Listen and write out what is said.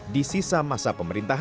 di sisa masa pemerintahan